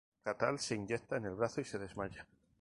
Cathal se inyecta en el brazo y se desmaya.